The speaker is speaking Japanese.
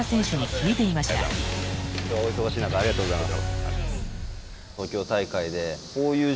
きょうはお忙しい中ありがとうございます。